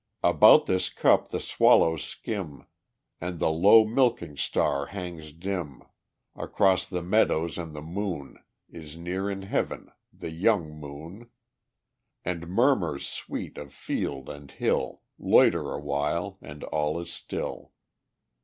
About this cup the swallows skim, And the low milking star hangs dim Across the meadows, and the moon Is near in heaven_ _the young moon; And murmurs sweet of field and hill Loiter awhile, and all is still.